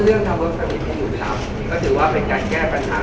ใเนื่องจากโปรเทศที่เขากำจัดชั้นสนุนการปฏิวัติศาสตร์